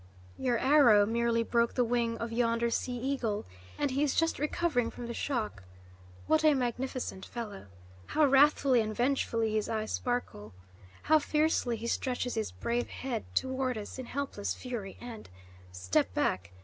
Your arrow merely broke the wing of yonder sea eagle, and he is just recovering from the shock. What a magnificent fellow! How wrathfully and vengefully his eyes sparkle! How fiercely he stretches his brave head toward us in helpless fury, and step back!